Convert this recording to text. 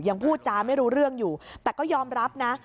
พูดจาไม่รู้เรื่องอยู่แต่ก็ยอมรับนะ